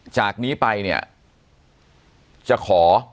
จากนี้ไปเนี่ยจะขอ